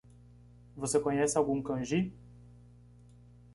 Você conhece algum kanji?